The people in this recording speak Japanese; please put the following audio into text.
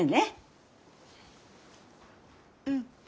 うん。